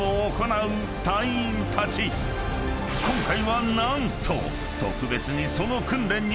［今回は何と］